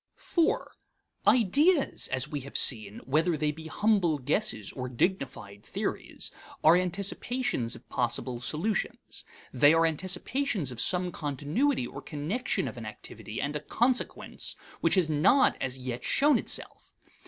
IV. Ideas, as we have seen, whether they be humble guesses or dignified theories, are anticipations of possible solutions. They are anticipations of some continuity or connection of an activity and a consequence which has not as yet shown itself.